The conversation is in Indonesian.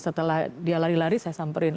setelah dia lari lari saya samperin